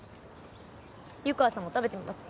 湯川さんも食べてみます？